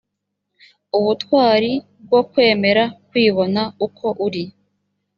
ubutwari bwo kwemera kwibona uko uri